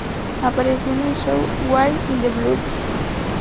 Apareció en el show "Wire in the Blood.